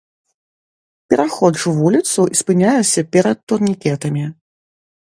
Пераходжу вуліцу і спыняюся перад турнікетамі.